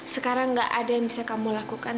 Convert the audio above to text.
sekarang gak ada yang bisa kamu lakukan